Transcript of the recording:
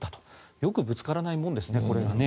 よくぶつからないもんですね。